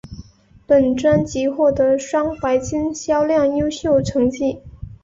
本专辑获得双白金销量优秀成绩。